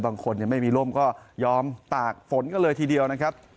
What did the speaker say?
ไม่มีร่มก็ยอมตากฝนกันเลยทีเดียวนะครับ